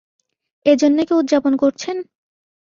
এজন্যই কি উদযাপন করছেন?